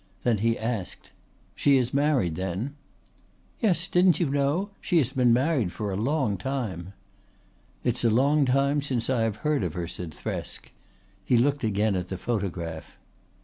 Then he asked: "She is married then?" "Yes, didn't you know? She has been married for a long time." "It's a long time since I have heard of her," said Thresk. He looked again at the photograph.